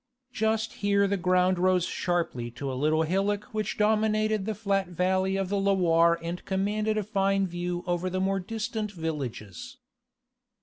Just here the ground rose sharply to a little hillock which dominated the flat valley of the Loire and commanded a fine view over the more distant villages.